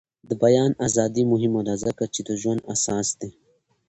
د بیان ازادي مهمه ده ځکه چې د ژوند اساس دی.